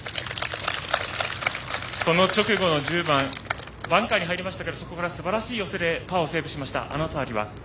その直後の１０番バンカーに入りましたけどそこからすばらしい寄せでパーをセーブしました。